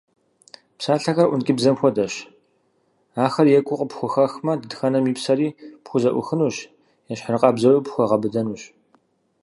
Псалъэхэр ӏункӏыбзэм хуэдэщ, ахэр екӏуу къыпхухэхмэ, дэтхэнэм и псэри пхузэӏухынущ, ещхьыркъабзэуи - пхуэгъэбыдэнущ.